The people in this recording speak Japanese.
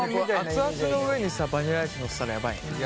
熱々の上にさバニラアイスのせたらやばいね。